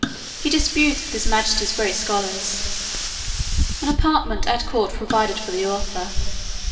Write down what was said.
He disputes with his majesty's great scholars. An apartment at court provided for the author.